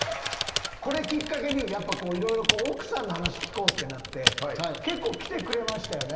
これきっかけにいろいろ奥さんの話聞こうってなって結構来てくれましたよね。